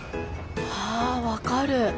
ああ分かる。